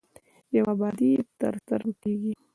یوه ابادي یې تر سترګو کېږي.